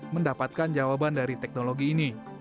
mendapatkan jawaban dari teknologi ini